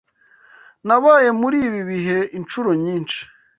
Nabaye muri ibi bihe inshuro nyinshi.